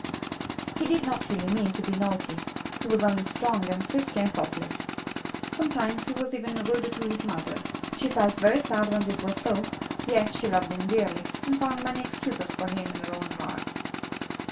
He did not really mean to be naughty — he was only strong and frisky and thoughtless. Sometimes he was even rude to his mother. She felt very sad when this was so; yet she loved him dearly and found many excuses for him in her own heart.